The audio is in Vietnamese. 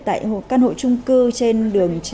tại căn hộ trung cư trên đường